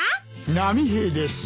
波平です。